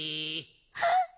あっ！